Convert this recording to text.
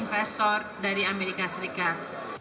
investor dari amerika serikat